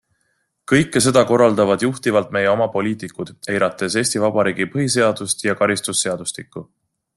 Kõike seda korraldavad juhtivalt meie oma poliitikud, eirates EV põhiseadust ja karistusseadustikku.